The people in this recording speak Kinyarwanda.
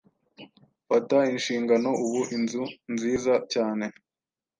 Fata inshingano ubu inzu nziza cyane